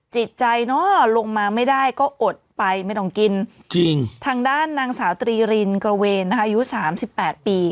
จิตใจเนอะลงมาไม่ได้ก็อดไปไม่ต้องกินจริงทางด้านนางสาวตรีรินกระเวนนะคะอายุสามสิบแปดปี